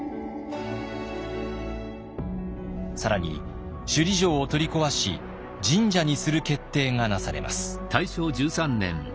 更に首里城を取り壊し神社にする決定がなされます。